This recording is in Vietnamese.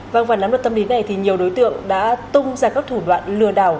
và vào năm năm tâm lý này nhiều đối tượng đã tung ra các thủ đoạn lừa đảo